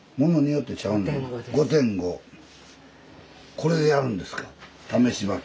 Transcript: これでやるんですか試し履き。